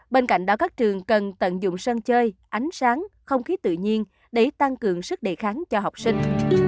bên cạnh đó các trường cần tận dụng sân chơi ánh sáng không khí tự nhiên để tăng cường sức đề kháng cho học sinh